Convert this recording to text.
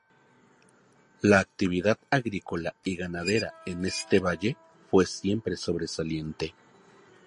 La actividad agrícola y ganadera en este valle fue siempre sobresaliente.